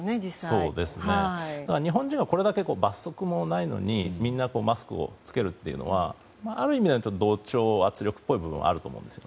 そうですね、日本人はこれだけ、罰則もないのにみんなマスクを着けるというのはある意味だと同調圧力っぽい部分があると思うんです。